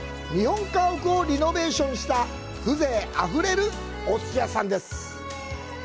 日本家屋をリノベーションした、風情あふれる、おすし屋さんです。